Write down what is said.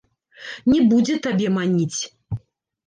Не будзе табе маніць.